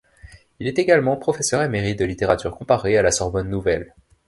Il est actuellement professeur émérite de littérature comparée à la Sorbonne Nouvelle.